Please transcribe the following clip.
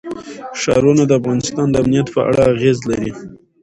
ښارونه د افغانستان د امنیت په اړه اغېز لري.